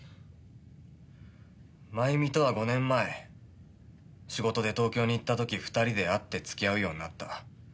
まゆみとは５年前仕事で東京に行った時２人で会って付き合うようになった。